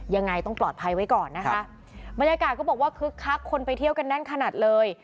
ยังไงต้องปลอดภัยไว้ก่อนนะคะบรรยากาศก็บอกว่าคึกคักคนไปเที่ยวกันแน่นขนาดเลย